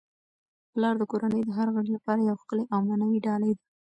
پلار د کورنی د هر غړي لپاره یو ښکلی او معنوي ډالۍ ده.